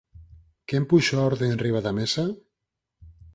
Quen puxo a orde enriba da mesa?